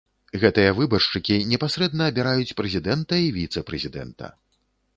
Гэтыя выбаршчыкі непасрэдна абіраюць прэзідэнта і віцэ-прэзідэнта.